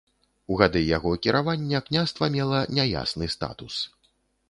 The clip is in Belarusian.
У гады яго кіравання княства мела няясны статус.